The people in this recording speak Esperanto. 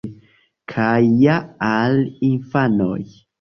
Kaj ja al infanoj!